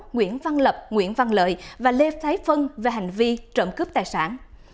nguyễn văn lập nguyễn văn lợi và lê thái phân về hành vi trộm cướp tài sản